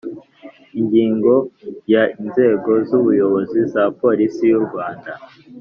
Ingingo ya Inzego z ubuyobozi za Polisi y u Rwanda